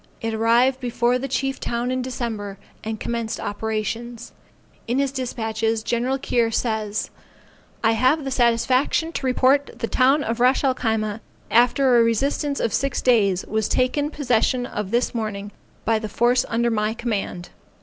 It arrived before the chief town in December, and commenced operations. In his despatches Gen. Keir says I have the satisfaction to report the town of Ras el Khyma, after a resistance of six days, was taken possession of this morning by the force under my command.